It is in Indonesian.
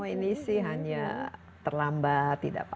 ini sih hanya terlambat